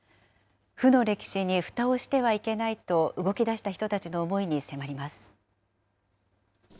負の歴史にふたをしてはいけないと、動き出した人たちの思いに迫ります。